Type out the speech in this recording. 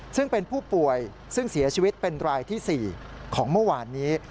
ซึ่งเป็นผู้ป่วยซึ่งเสียชีวิตเป็นรายที่๔ของเมื่อวานนี้